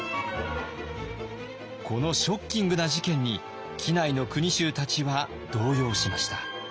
このショッキングな事件に畿内の国衆たちは動揺しました。